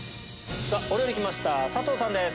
お料理来ました佐藤さんです。